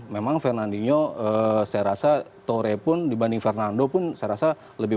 memang fernandinho saya rasa tore pun dibanding fernando pun saya rasa lebih